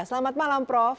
selamat malam prof